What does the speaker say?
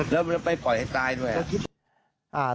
แล้วไปปล่อยให้ตายด้วย